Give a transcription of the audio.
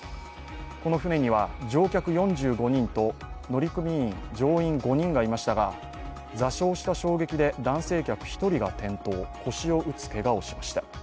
この船には乗客４５人と乗組員、乗員５人がいましたが挫傷した衝撃で男性客１人が転倒、腰を打つけがをしました。